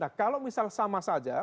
nah kalau misal sama saja